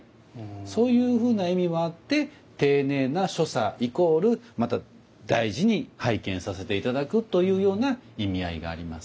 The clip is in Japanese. そういうふうな意味もあって丁寧な所作イコールまた大事に拝見させて頂くというような意味合いがあります。